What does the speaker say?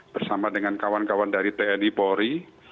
bersama dengan kawan kawan dari tni polri